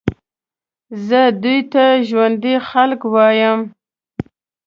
زه دوی ته ژوندي خلک وایم.